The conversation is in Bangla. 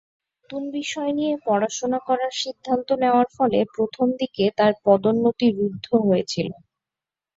নতুন বিষয় নিয়ে পড়াশোনা করার সিদ্ধান্ত নেওয়ার ফলে প্রথম দিকে তার পদোন্নতি রুদ্ধ হয়েছিল।